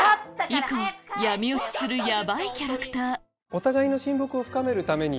以降闇落ちするヤバいキャラクターお互いの親睦を深めるために。